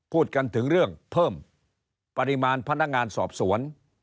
พูดกันถึงเรื่องเพิ่มปริมาณพนักงานสอบสวน